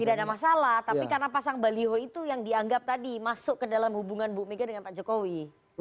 tidak ada masalah tapi karena pasang baliho itu yang dianggap tadi masuk ke dalam hubungan bu mega dengan pak jokowi